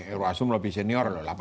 irwasum lebih senior lho